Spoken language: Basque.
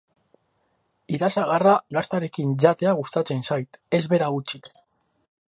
Irasagarra gaztarekin jatea gustatzen zait, ez bera hutsik.